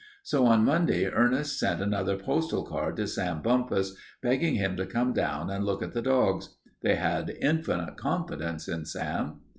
So on Monday Ernest sent another postal card to Sam Bumpus, begging him to come down and look at the dogs. They had infinite confidence in Sam.